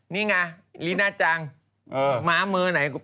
นี่ไงลีนาจังมาเมือไหนเปิดแล้ว